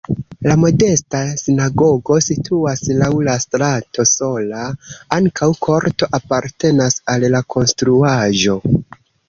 La modesta sinagogo situas laŭ la strato sola, ankaŭ korto apartenas al la konstruaĵo.